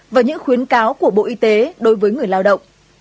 và những khuyến cáo của bộ y tế đối với người lao động